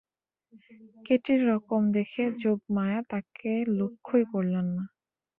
কেটির রকম দেখে যোগমায়া তাকে লক্ষ্যই করলেন না।